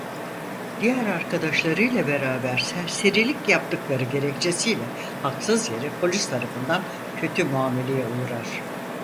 Diğer arkadaşlarıyla beraber serserilik yaptıkları gerekçesiyle haksız yere polis tarafından kötü muameleye uğrar.